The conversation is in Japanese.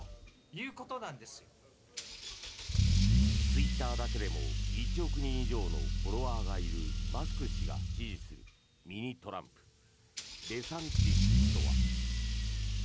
ツイッターだけでも１億人以上のフォロワーがいるマスク氏が支持するミニ・トランプデサンティス氏とは。